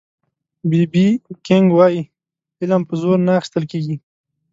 بي بي کېنګ وایي علم په زور نه اخيستل کېږي